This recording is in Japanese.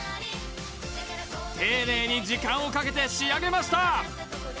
丁寧に時間をかけて仕上げました